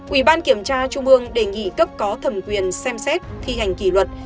ubnd kiểm tra trung ương đề nghị cấp có thầm quyền xem xét thi hành kỷ luật